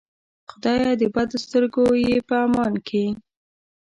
خدایه د بدو سترګو یې په امان کې.